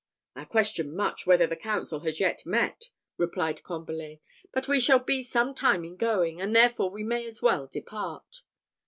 "I question much whether the council has yet met," replied Combalet; "but we shall be some time in going, and therefore we may as well depart."